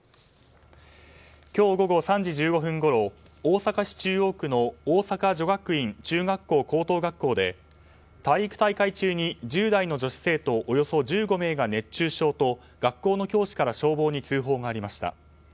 今日午後３時１５分ごろ大阪市中央区の大阪女学院中学校高等学校で体育大会中に１０代の女子生徒およそ１５名が熱中症と学校の教師から消防に通報がありました。